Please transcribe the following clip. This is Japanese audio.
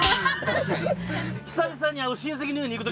久々に。